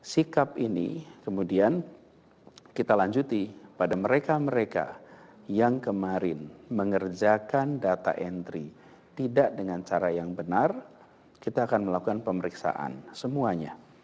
sikap ini kemudian kita lanjuti pada mereka mereka yang kemarin mengerjakan data entry tidak dengan cara yang benar kita akan melakukan pemeriksaan semuanya